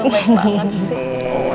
baik banget sih